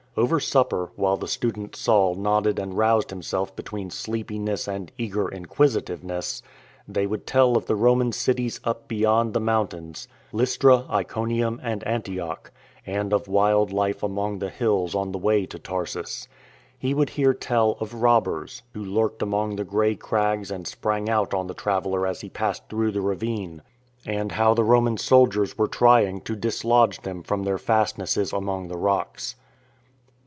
Over supper, while the student Saul nodded and roused himself between sleepiness and eager inquisitiveness, they would tell of the Roman cities up beyond the mountains — Lystra, Iconium, and Antioch; and of wild life among the hills on the way to Tarsus. He would hear tell of robbers who lurked among the grey crags and sprang out on the traveller as he passed through the ravine; 43 44 IN TRAINING and how the Roman soldiers were trying to dislodge them from their fastnesses among the rocks.